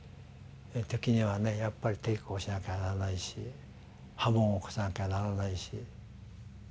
時にはやっぱり抵抗しなきゃならないし波紋を起こさなきゃならないし。